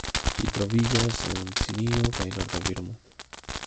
Ĝi troviĝas en Ĉinio kaj norda Birmo.